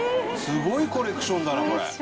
すごいコレクションだなこれ。